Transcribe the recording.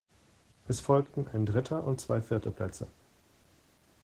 Es folgten ein dritter und zwei vierte Plätze.